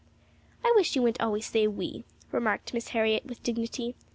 "I wish you wouldn't always say 'we,'" remarked Miss Harriet, with dignity.